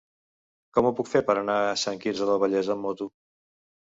Com ho puc fer per anar a Sant Quirze del Vallès amb moto?